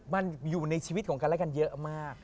มันอยู่ในชีวิตของกันและกันเยอะมาก